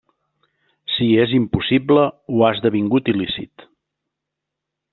Si és impossible o ha esdevingut il·lícit.